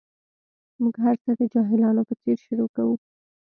موږ هر څه د جاهلانو په څېر شروع کوو.